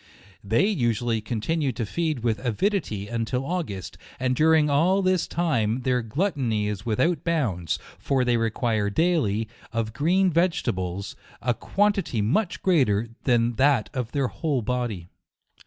They usu ally continue to feed with avidity, until Au gust, and during all this time their gluttony is without bounds ; for they require daily, of green vegetables, a quantity much greater than that of their whole body.